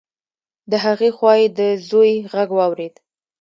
د هغې خوا يې د زوی غږ واورېد.